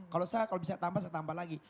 kalau sah kalau bisa tambah saya tambah lagi